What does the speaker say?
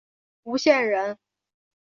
吴县人。